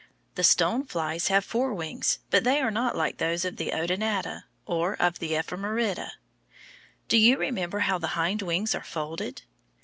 The stone flies have four wings, but they are not like those of the Odonata, or of the Ephemerida. Do you remember how the hind wings are folded?